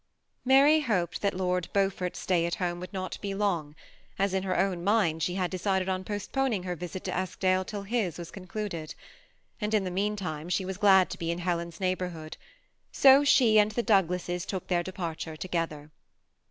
Mary hoped that Lord Beaufort's stay at home would not be long, as in her own mind she had decided on postponing her visit to Eskdale till his was concluded ; and, in the mean time, she was glad to be in Helen's neighborhood: so she and the Douglases took their departure together.